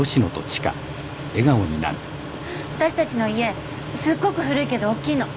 私たちの家すっごく古いけどおっきいの。